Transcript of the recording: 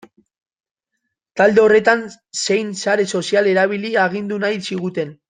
Talde horretan zein sare sozial erabili agindu nahi ziguten.